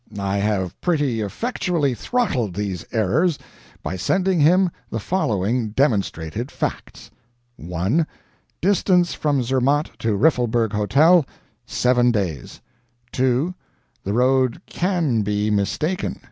I have pretty effectually throttled these errors by sending him the following demonstrated facts: 1. Distance from Zermatt to Riffelberg Hotel, 7 days. 2. The road CAN be mistaken.